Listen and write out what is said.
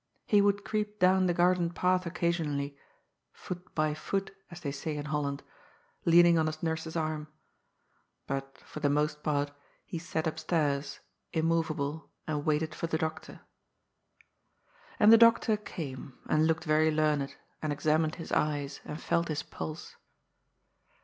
He would creep down the garden path occasionally —^'* foot by foot," as they say in Holland — lean ing on his nurse's arm. But, for the most part, he sat up stairs, immovable, and waited for the doctor. And the doctor came, and looked very learned, and ex amined his eyes, and felt his pulse.